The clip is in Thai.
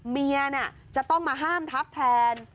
เมียน่ะจะต้องมาห้ามทับแทน